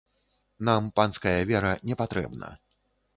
Нам панская вера не патрэбна.